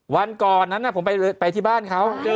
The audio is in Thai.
วันก่อนนั้นผมไปที่บ้านเขา